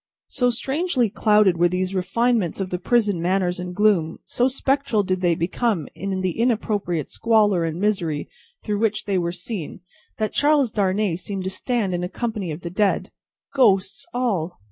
So strangely clouded were these refinements by the prison manners and gloom, so spectral did they become in the inappropriate squalor and misery through which they were seen, that Charles Darnay seemed to stand in a company of the dead. Ghosts all!